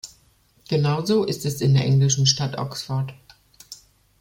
Genauso ist es in der englischen Stadt Oxford.